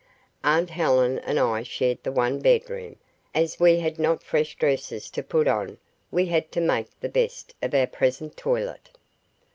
Aunt Helen and I shared the one bedroom. As we had not fresh dresses to put on we had to make the best of our present toilet.